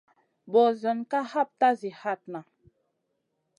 Ɓosionna ka hapta zi hatna.